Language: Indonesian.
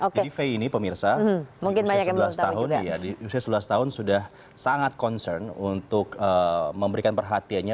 jadi faye ini pemirsa di usia sebelas tahun sudah sangat concern untuk memberikan perhatiannya